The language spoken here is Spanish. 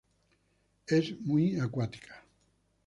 Es muy acuática.